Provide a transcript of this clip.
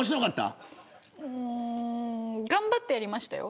頑張ってやりましたよ。